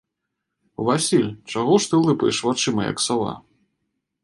Васіль, чаго ж ты лыпаеш вачыма, як сава?